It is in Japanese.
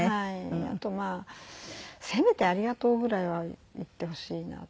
あとせめて「ありがとう」ぐらいは言ってほしいなって。